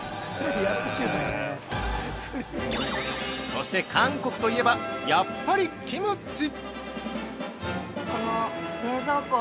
◆そして、韓国といえばやっぱりキムチ！